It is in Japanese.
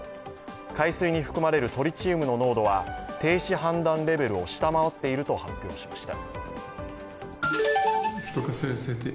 海水に含まれるトリチウムの濃度は停止判断レベルを下回っていると発表しました。